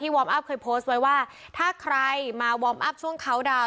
วอร์มอัพเคยโพสต์ไว้ว่าถ้าใครมาวอร์มอัพช่วงเขาดาวน